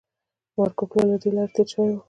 مارکوپولو له دې لارې تیر شوی و